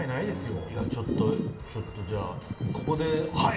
ちょっとじゃあここではい！